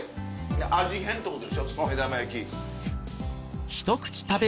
味変ってことでしょ目玉焼き。